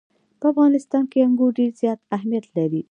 په افغانستان کې انګور ډېر زیات اهمیت لري.